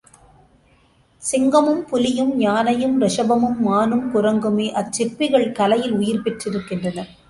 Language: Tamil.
சிங்கமும் புலியும், யானையும் ரிஷபமும், மானும், குரங்குமே அச்சிற்பிகள் கலையில் உயிர் பெற்றிருக்கின்றன.